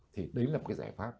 thì đấy là một cái giải pháp